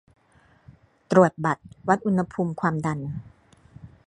ตรวจบัตร วัดอุณหภูมิความดัน